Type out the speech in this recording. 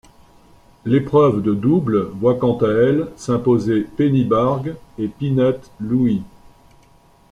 L'épreuve de double voit quant à elle s'imposer Penny Barg et Peanut Louie.